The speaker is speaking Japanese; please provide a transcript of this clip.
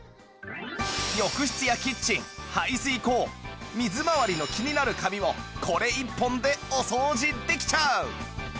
浴室やキッチン排水口水回りの気になるカビをこれ一本でお掃除できちゃう